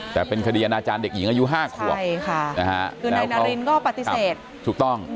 แต่เป็นคดีอนาจารย์เด็กหญิงอายุ๕ครัวใช่ค่ะคือนายนารินก็ปฏิเสธ